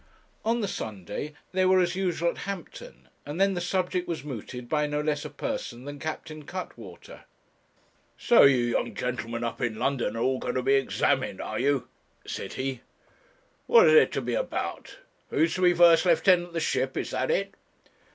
On the Sunday they were as usual at Hampton, and then the subject was mooted by no less a person than Captain Cuttwater. So you young gentlemen up in London are all going to be examined, are you?' said he; 'what is it to be about? Who's to be first lieutenant of the ship, is that it?'